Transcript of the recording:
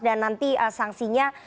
dan nanti sanksinya